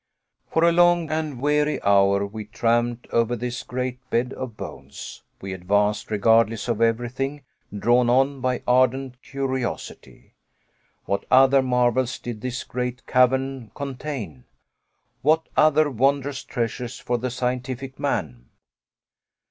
For a long and weary hour we tramped over this great bed of bones. We advanced regardless of everything, drawn on by ardent curiosity. What other marvels did this great cavern contain what other wondrous treasures for the scientific man?